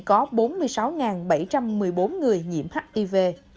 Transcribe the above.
hôm nay hồ chí minh có bốn mươi sáu bảy trăm một mươi bốn người nhiễm hiv